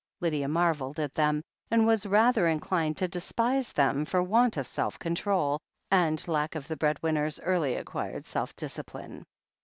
Lydia marvelled at them, and was rather inclined to despise them for want of self control, and lack of the bread winner's early acquired self discipline.